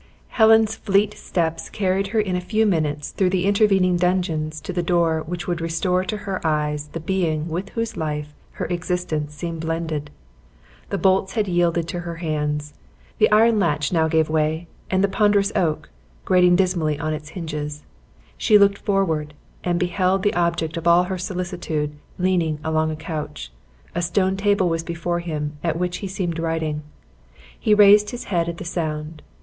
Helen's fleet steps carried her in a few minutes through the intervening dungeons to the door which would restore to her eyes the being with whose life her existence seemed blended. The bolts had yielded to her hands. The iron latch now gave way; and the ponderous oak, grating dismally on its hinges, she looked forward, and beheld the object of all her solicitude leaning along a couch; a stone table was before him, at which he seemed writing. He raised his head at the sound.